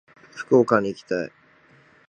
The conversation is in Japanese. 福岡に行きたい。